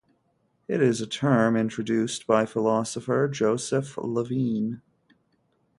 It is a term introduced by philosopher Joseph Levine.